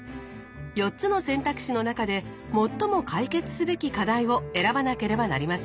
４つの選択肢の中で最も解決すべき課題を選ばなければなりません。